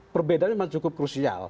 perbedaannya memang cukup krusial